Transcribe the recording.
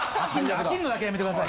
飽きるのだけやめてください。